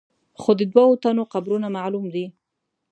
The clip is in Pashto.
خو د دوو تنو قبرونه معلوم دي.